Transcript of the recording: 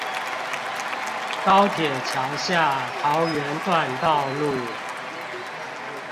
高鐵橋下桃園段道路